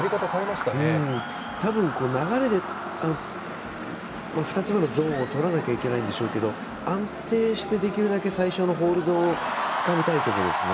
たぶん、流れで２つめのゾーンを取らなきゃいけないんでしょうけど安定して、できるだけ最初のホールドをつかみたいところです。